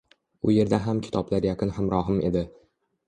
U yerda ham kitoblar yaqin hamrohim edi.